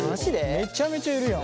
めちゃめちゃいるやん。